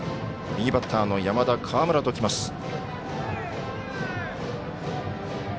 右バッターの山田、河村ときます。